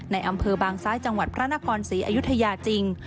ในอำเภอบางซ้ายจังหวัดพระนครศรีอยุธยาจริง